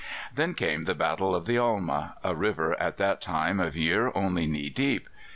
Then came the Battle of the Alma, a river at that time of year only knee deep.